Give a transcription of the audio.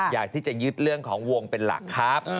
อยากที่จะยึดเรื่องของวงเป็นหลักครับ